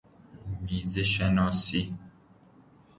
میزه شناسی